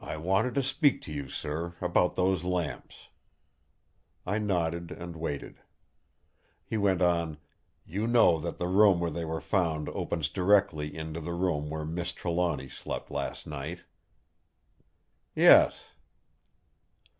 "I wanted to speak to you, sir, about those lamps." I nodded and waited: he went on: "You know that that room where they were found opens directly into the room where Miss Trelawny slept last night?" "Yes."